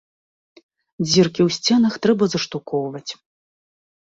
Дзіркі ў сценах трэба заштукоўваць!